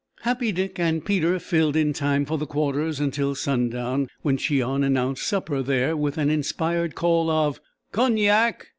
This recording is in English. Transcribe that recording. Happy Dick and Peter filled in time for the Quarters until sundown, when Cheon announced supper there with an inspired call of "Cognac!"